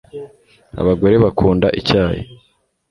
Abagore bakunda icyayi